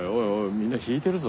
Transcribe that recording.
みんな引いてるぞ。